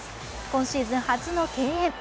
今シーズン初の敬遠。